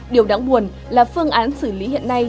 điều đáng buồn là phương án xử lý hiện nay